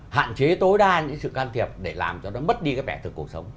hạn chế tối đa những sự can thiệp để làm cho nó mất đi cái vẻ thực cuộc sống